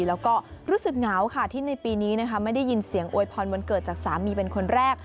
แล้วก็รู้สึกเหงาค่ะที่ในปีนี้นะคะไม่ได้ยินเสียงอวยพรวันเกิดจากสามีเป็นคนแรก